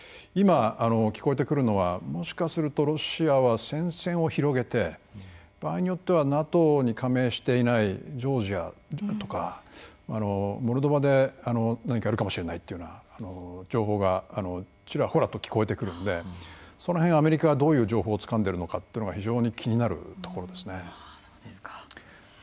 今聞こえてくるのはもしかするとロシアは戦線を広げて場合によってはＮＡＴＯに加盟していないジョージアだとかモルドバで何かやるかもしれないっていうような情報がちらほらと聞こえてくるのでその辺アメリカがどういう情報をつかんでるのかっていうのが非常に気になるところですね。